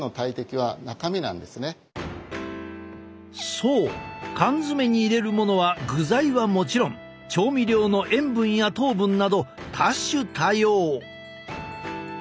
そう缶詰に入れるものは具材はもちろん調味料の塩分や糖分など多種多様！